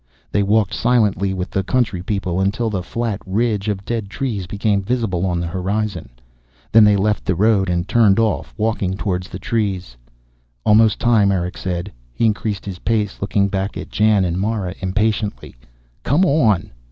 They walked silently with the country people until the flat ridge of dead trees became visible on the horizon. Then they left the road and turned off, walking toward the trees. "Almost time!" Erick said. He increased his pace, looking back at Jan and Mara impatiently. "Come on!"